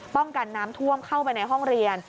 กันน้ำท่วมเข้าไปในห้องเรียน